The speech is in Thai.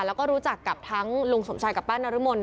แล้วก็รู้จักกับทั้งลุงสมชายกับป้านรมน